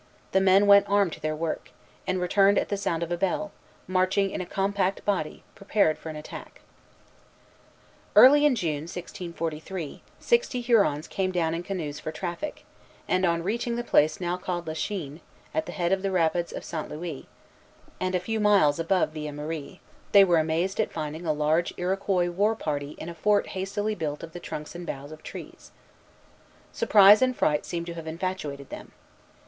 The men went armed to their work, and returned at the sound of a bell, marching in a compact body, prepared for an attack. Dollier de Casson, MS. Early in June, 1643, sixty Hurons came down in canoes for traffic, and, on reaching the place now called Lachine, at the head of the rapids of St. Louis, and a few miles above Villemarie, they were amazed at finding a large Iroquois war party in a fort hastily built of the trunks and boughs of trees. Surprise and fright seem to have infatuated them.